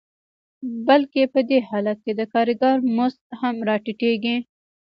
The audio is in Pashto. بلکې په دې حالت کې د کارګر مزد هم راټیټېږي